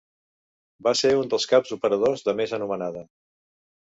Va ser un dels caps operadors de més anomenada.